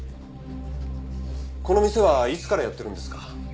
この店はいつからやってるんですか？